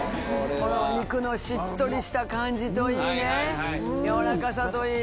この肉のしっとりした感じといいやわらかさといい。